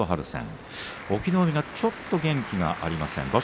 隠岐の海、ちょっと元気がありません。